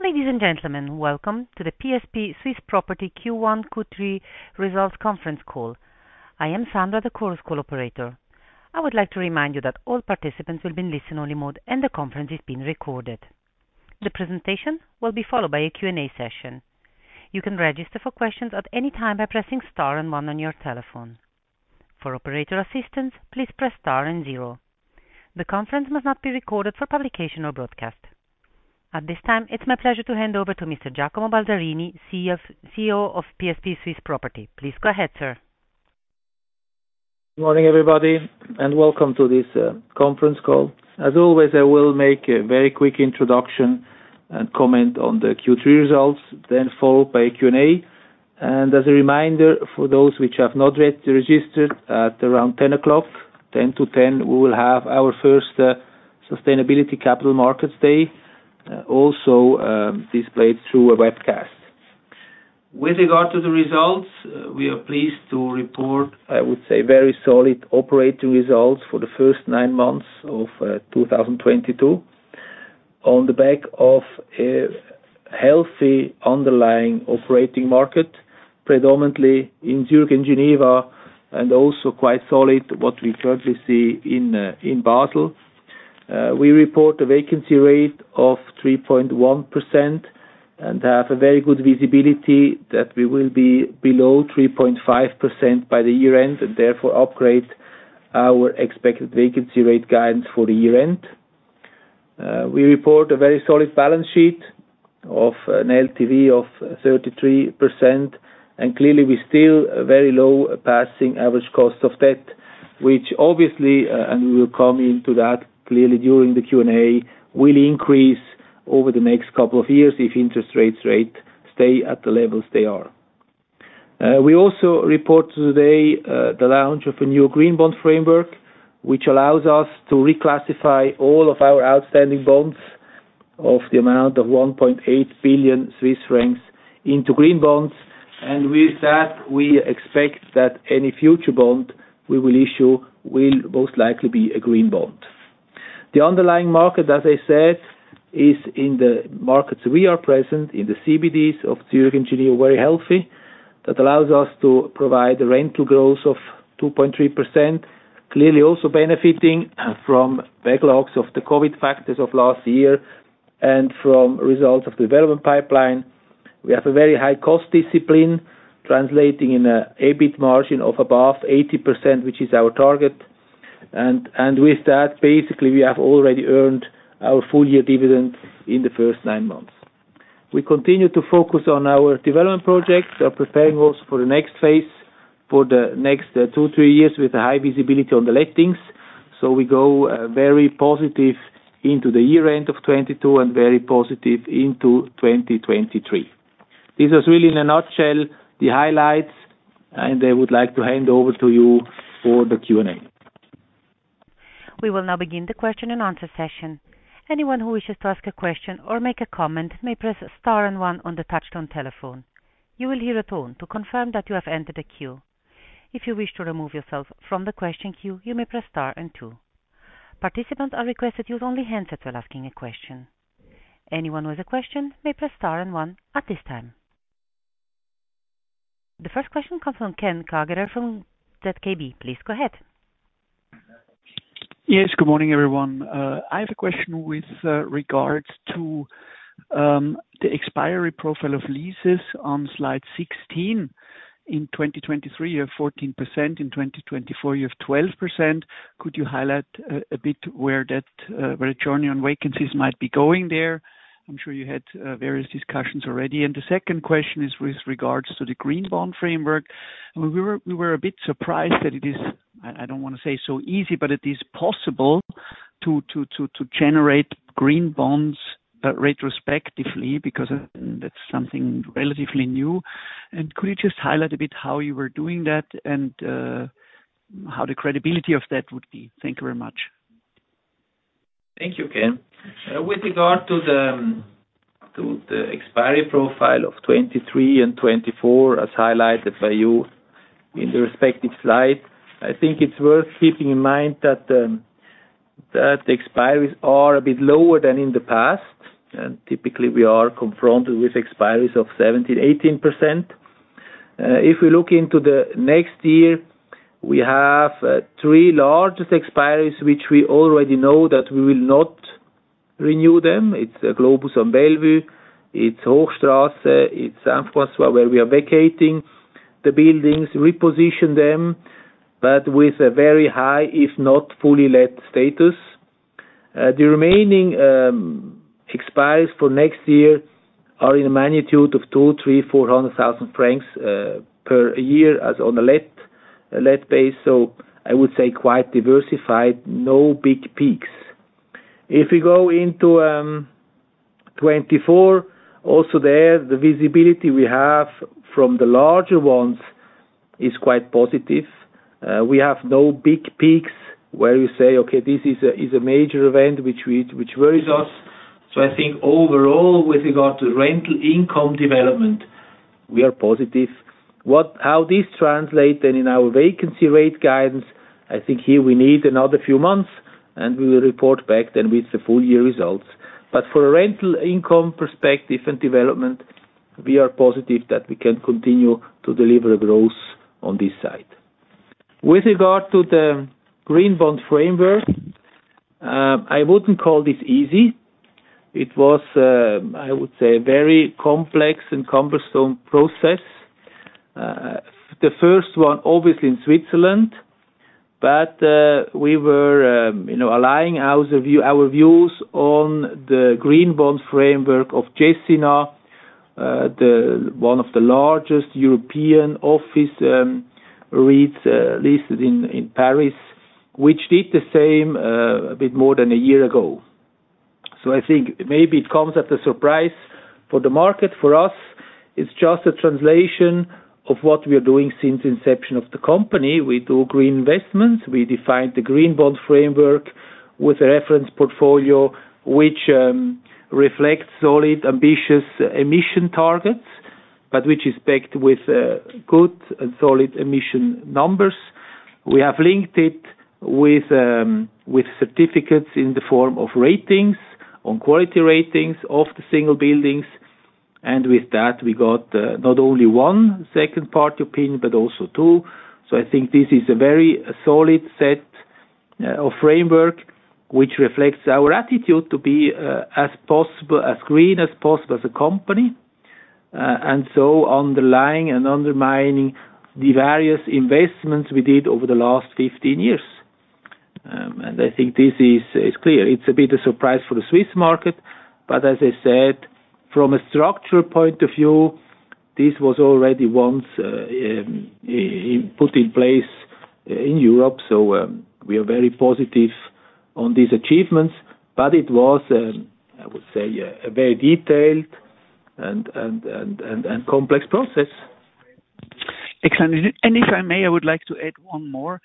Ladies and gentlemen, welcome to the PSP Swiss Property Q1, Q3 results conference call. I am Sandra, the conference call operator. I would like to remind you that all participants will be in listen-only mode, and the conference is being recorded. The presentation will be followed by a Q&A session. You can register for questions at any time by pressing star and one on your telephone. For operator assistance, please press star and zero. The conference must not be recorded for publication or broadcast. At this time, it's my pleasure to hand over to Mr. Giacomo Balzarini, CEO of PSP Swiss Property. Please go ahead, sir. Good morning, everybody, welcome to this conference call. As always, I will make a very quick introduction and comment on the Q3 results, then followed by Q&A. As a reminder for those which have not yet registered, at around 10:00, 10 to 10:00, we will have our first Sustainability Capital Markets Day, also displayed through a webcast. With regard to the results, we are pleased to report, I would say, very solid operating results for the first 9 months of 2022. On the back of a healthy underlying operating market, predominantly in Zurich and Geneva, also quite solid what we currently see in Basel. We report a vacancy rate of 3.1% and have a very good visibility that we will be below 3.5% by the year-end, and therefore upgrade our expected vacancy rate guidance for the year-end. We report a very solid balance sheet of an LTV of 33%, and clearly, we still very low passing average cost of debt, which obviously, and we will come into that clearly during the Q&A, will increase over the next couple of years if interest rates stay at the levels they are. We also report today the launch of a new green bond framework, which allows us to reclassify all of our outstanding bonds of the amount of 1.8 billion Swiss francs into green bonds. With that, we expect that any future bond we will issue will most likely be a green bond. The underlying market, as I said, is in the markets we are present, in the CBDs of Zurich and Geneva, very healthy. That allows us to provide a rental growth of 2.3%, clearly also benefiting from backlogs of the COVID factors of last year and from results of development pipeline. We have a very high-cost discipline translating in an EBIT margin of above 80%, which is our target. With that, basically, we have already earned our full-year dividends in the first 9 months. We continue to focus on our development projects, are preparing also for the next phase for the next 2, 3 years with a high visibility on the lettings. We go very positive into the year-end of 2022 and very positive into 2023. This is really in a nutshell the highlights, I would like to hand over to you for the Q&A. We will now begin the question and answer session. Anyone who wishes to ask a question or make a comment may press star and one on the touchtone telephone. You will hear a tone to confirm that you have entered a queue. If you wish to remove yourself from the question queue, you may press star and two. Participants are requested to use only handsets while asking a question. Anyone with a question may press star and one at this time. The first question comes from Ken Kagerer from KBW. Please go ahead. Yes, good morning, everyone. I have a question with regards to the expiry profile of leases on slide 16. In 2023, you have 14%, in 2024, you have 12%. Could you highlight a bit where that journey on vacancies might be going there? I'm sure you had various discussions already. The second question is with regards to the green bond framework. We were a bit surprised that it is, I don't want to say so easy, but it is possible to generate green bonds retrospectively because that's something relatively new. Could you just highlight a bit how you were doing that and how the credibility of that would be? Thank you very much. Thank you, Ken. With regard to the expiry profile of 2023 and 2024, as highlighted by you in the respective slide, I think it's worth keeping in mind that the expiries are a bit lower than in the past, and typically we are confronted with expiries of 17%, 18%. If we look into the next year, we have three largest expiries, which we already know that we will not renew them. It's a Globus on Bellevue, it's Hochstrasse, it's Saint-François, where we are vacating the buildings, reposition them, but with a very high, if not fully let status. The remaining expiries for next year are in a magnitude of two, three, 400,000 francs per year as on a let base. I would say quite diversified, no big peaks. If we go into 2024, also there, the visibility we have from the larger ones is quite positive. We have no big peaks where you say, "Okay, this is a major event which worries us." I think overall, with regard to rental income development, we are positive. How this translates then in our vacancy rate guidance, I think here we need another few months, and we will report back then with the full year results. For a rental income perspective and development, we are positive that we can continue to deliver growth on this side. With regard to the green bond framework, I wouldn't call this easy. It was, I would say, a very complex and cumbersome process. The first one, obviously, in Switzerland, but we were aligning our views on the green bond framework of Gecina, one of the largest European office REITs listed in Paris, which did the same a bit more than a year ago. I think maybe it comes as a surprise for the market. For us, it's just a translation of what we are doing since inception of the company. We do green investments. We defined the green bond framework with a reference portfolio, which reflects solid, ambitious emission targets, but which is backed with good and solid emission numbers. We have linked it with certificates in the form of ratings, on quality ratings of the single buildings. With that, we got not only one second party opinion, but also two. I think this is a very solid set of framework, which reflects our attitude to be as green as possible as a company. Underlying and undermining the various investments we did over the last 15 years. I think this is clear. It's a bit a surprise for the Swiss market, but as I said, from a structural point of view, this was already once put in place in Europe. We are very positive on these achievements, but it was, I would say, a very detailed and complex process. Excellent. If I may, I would like to add one more.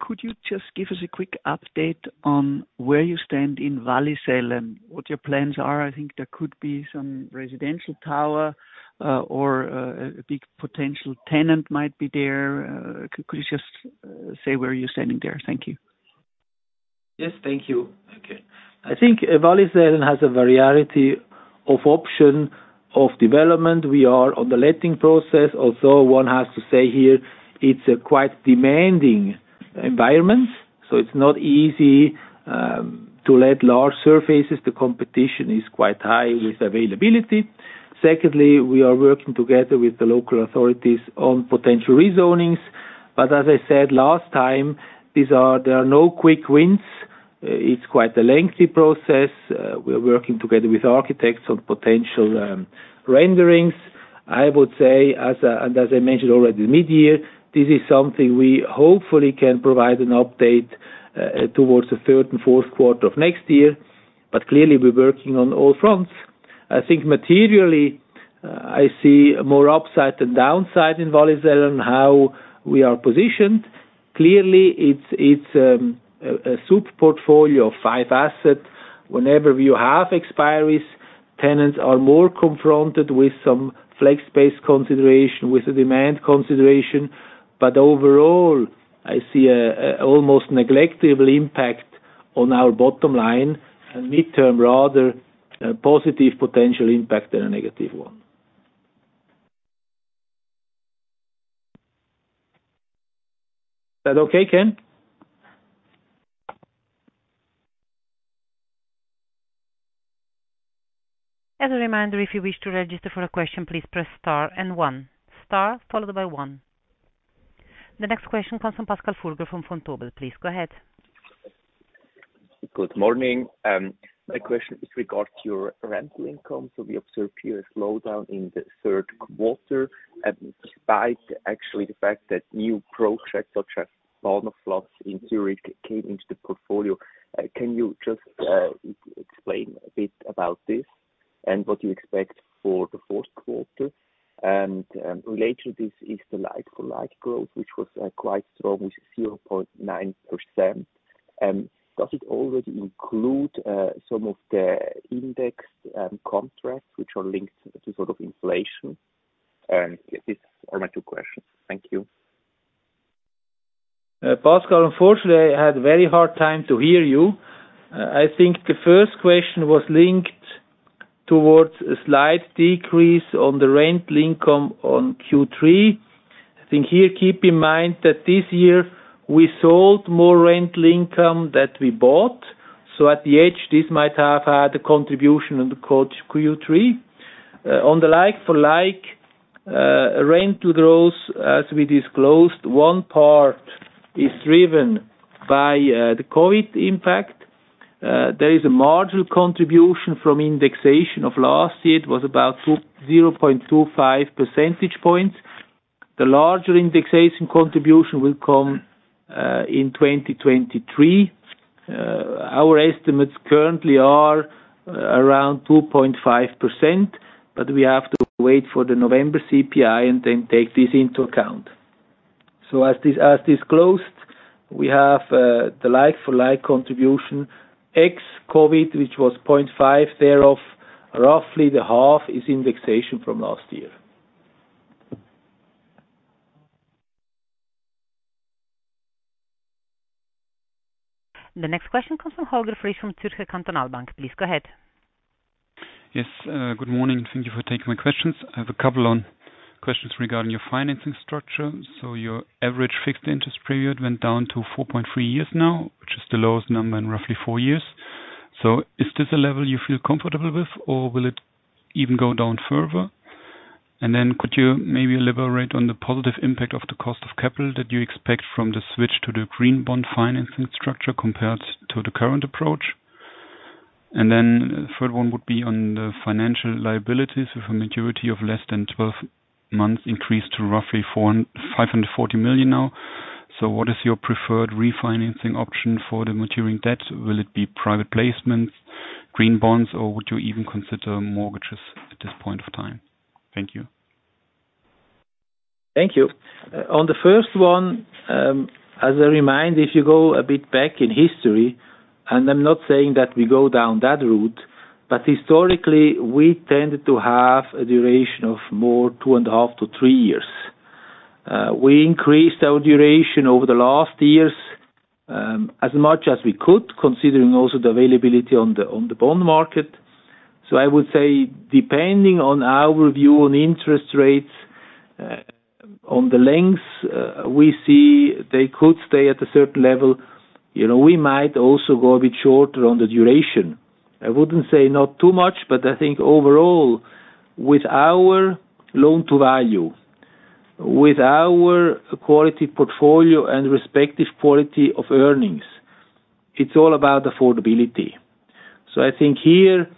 Could you just give us a quick update on where you stand in Wallisellen? What your plans are? I think there could be some residential tower, or a big potential tenant might be there. Could you just say where you're standing there? Thank you. Yes. Thank you. Okay. I think Wallisellen has a variety of option of development. We are on the letting process. Although one has to say here, it's a quite demanding environment, so it's not easy to let large surfaces. The competition is quite high with availability. Secondly, we are working together with the local authorities on potential rezonings. As I said last time, there are no quick wins. It's quite a lengthy process. We are working together with architects on potential renderings. I would say, as I mentioned already mid-year, this is something we hopefully can provide an update towards the third and fourth quarter of next year. Clearly, we're working on all fronts. I think materially, I see more upside than downside in Wallisellen, how we are positioned. Clearly, it's a sub-portfolio of 5 assets. Whenever you have expiries, tenants are more confronted with some flex-based consideration, with a demand consideration. Overall, I see almost negligible impact on our bottom line, and midterm, rather a positive potential impact than a negative one. Is that okay, Ken? As a reminder, if you wish to register for a question, please press star and one. Star followed by one. The next question comes from Pascal Furger, from Vontobel. Please go ahead. Good morning. My question is regarding your rental income. We observe here a slowdown in the third quarter, despite actually the fact that new projects such as Gartenstrasse flats in Zurich came into the portfolio. Can you just explain a bit about this and what you expect for the fourth quarter? Related to this is the like-for-like growth, which was quite strong with 0.9%. Does it already include some of the indexed contracts, which are linked to inflation? These are my two questions. Thank you. Pascal, unfortunately, I had very hard time to hear you. I think the first question was linked towards a slight decrease on the rental income on Q3. I think here, keep in mind that this year we sold more rental income that we bought. At the edge, this might have had a contribution on the Q3. On the like-for-like rental growth, as we disclosed, one part is driven by the COVID impact. There is a marginal contribution from indexation of last year. It was about 0.25 percentage points. The larger indexation contribution will come in 2023. Our estimates currently are around 2.5%, but we have to wait for the November CPI and then take this into account. As disclosed, we have the like-for-like contribution ex-COVID, which was 0.5 thereof, roughly the half is indexation from last year. The next question comes from Holger Frisch from Zürcher Kantonalbank. Please go ahead. Yes. Good morning. Thank you for taking my questions. I have a couple of questions regarding your financing structure. Your average fixed interest period went down to 4.3 years now, which is the lowest number in roughly four years. Could you maybe elaborate on the positive impact of the cost of capital that you expect from the switch to the green bond financing structure compared to the current approach? Third one would be on the financial liabilities with a maturity of less than 12 months increased to roughly 540 million now. What is your preferred refinancing option for the maturing debt? Will it be private placements, green bonds, or would you even consider mortgages at this point of time? Thank you. Thank you. On the first one, as a reminder, if you go a bit back in history, and I'm not saying that we go down that route, but historically, we tended to have a duration of more two and a half to three years. We increased our duration over the last years, as much as we could, considering also the availability on the bond market. I would say, depending on our view on interest rates, on the lengths, we see they could stay at a certain level. We might also go a bit shorter on the duration. I wouldn't say not too much, but I think overall, with our loan to value, with our quality portfolio and respective quality of earnings, it's all about affordability. I think here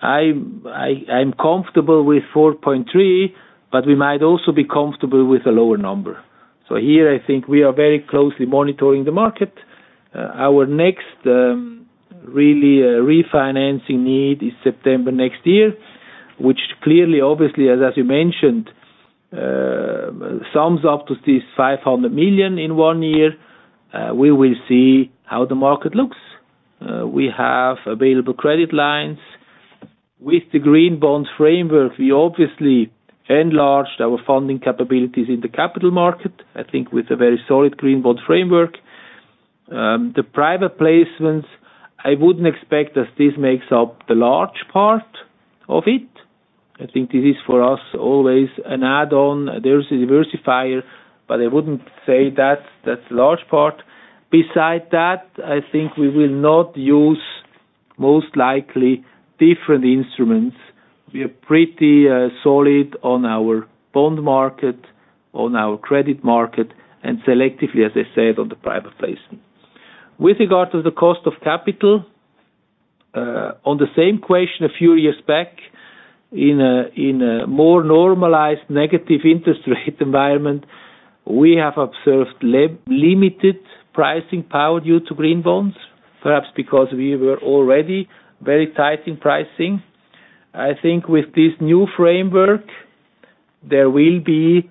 I'm comfortable with 4.3, but we might also be comfortable with a lower number. Here, I think we are very closely monitoring the market. Our next really refinancing need is September next year, which clearly, obviously, as you mentioned, sums up to this 500 million in one year. We will see how the market looks. We have available credit lines. With the green bonds framework, we obviously enlarged our funding capabilities in the capital market, I think with a very solid green bond framework. The private placements, I wouldn't expect that this makes up the large part of it. I think this is for us always an add-on. There's a diversifier, but I wouldn't say that's a large part. Besides that, I think we will not use, most likely, different instruments. We are pretty solid on our bond market, on our credit market, and selectively, as I said, on the private placement. With regard to the cost of capital, on the same question a few years back, in a more normalized negative interest rate environment, we have observed limited pricing power due to green bonds, perhaps because we were already very tight in pricing. I think with this new framework, there will be,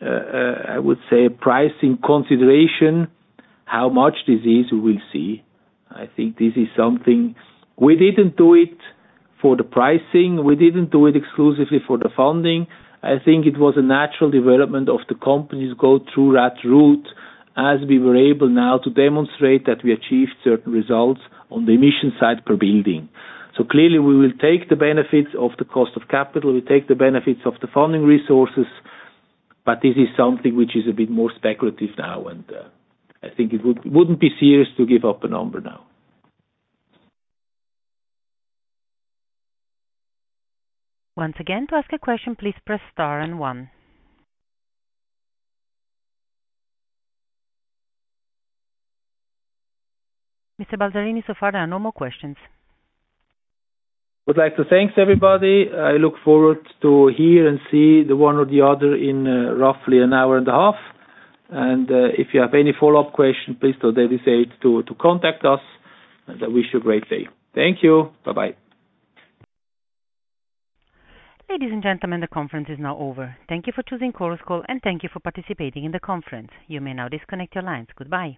I would say, pricing consideration. How much this is, we will see. I think this is something we didn't do it for the pricing; we didn't do it exclusively for the funding. I think it was a natural development of the companies go through that route as we were able now to demonstrate that we achieved certain results on the emission side per building. Clearly, we will take the benefits of the cost of capital, we'll take the benefits of the funding resources, but this is something which is a bit more speculative now, and I think it wouldn't be serious to give up a number now. Once again, to ask a question, please press star and one. Mr. Balzarini, so far there are no more questions. I would like to thank everybody. I look forward to hear and see the one or the other in roughly an hour and a half. If you have any follow-up question, please do not hesitate to contact us. I wish you a great day. Thank you. Bye-bye. Ladies and gentlemen, the conference is now over. Thank you for choosing Chorus Call, and thank you for participating in the conference. You may now disconnect your lines. Goodbye.